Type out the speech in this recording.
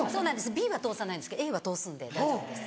Ｂは通さないんですけどＡは通すんで大丈夫です。